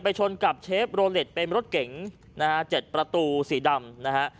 ชนกับเชฟโรเล็ตเป็นรถเก๋งนะฮะ๗ประตูสีดำนะฮะ